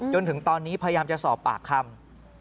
จนถึงตอนนี้พยายามจะสอบปากคำ